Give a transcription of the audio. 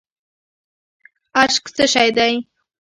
اشک څه شی دی؟